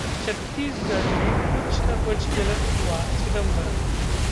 छत्तीसगढ़ में कुछ न कुछ गलत हुआ: चिदंबरम